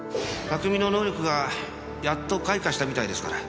拓海の能力がやっと開花したみたいですから。